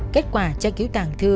kết quả tra cứu tàng thư